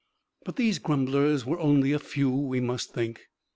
But these grumblers were only a few, we must think.